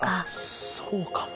そうかも。